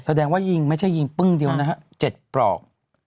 แสดงว่ายิงไม่ใช่ยิงปึ้งเดียวนะฮะ๗ปลอก